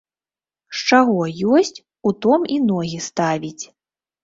З чаго есць, у том і ногі ставіць.